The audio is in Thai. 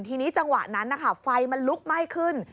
ทีนี้จังหวะนั้นนะคะไฟมันลุกไหม้ขึ้น